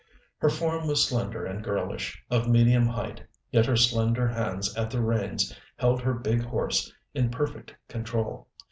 Her form was slender and girlish, of medium height, yet her slender hands at the reins held her big horse in perfect control.